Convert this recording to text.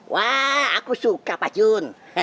wah aku suka pak jun